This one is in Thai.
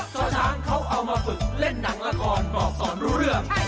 เจ้าช้างเขาเอามาฝึกเล่นหนังละครบอกก่อนรู้เรื่อง